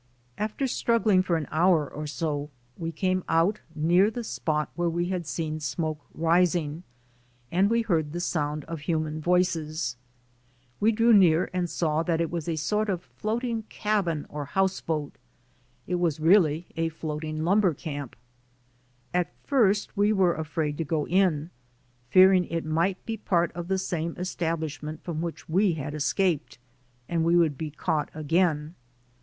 After struggling for an hour or so, we came out near the spot where we had seen smoke rising, and we heard the sound of human voices. We drew near and saw that it was a sort of floating cabin or house boat. It was really a floating lumber camp. At IN THE AMERICAN STOEM 93 first we were afraid to go in, fearing it might be a part of the same establishment from which we had escaped, and we would be caught again.